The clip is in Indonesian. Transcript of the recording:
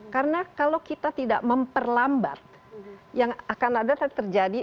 karena kalau kita tidak memperlambat yang akan ada terjadi